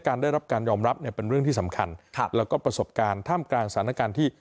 ได้รับการยอมรับเนี่ยเป็นเรื่องที่สำคัญครับแล้วก็ประสบการณ์ท่ามกลางสถานการณ์ที่